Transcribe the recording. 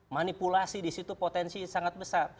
manipulasi di situ potensi sangat besar